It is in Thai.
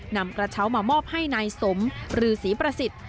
นำกระเช้ามามอบให้นายสมรือศรีประสิทธิ์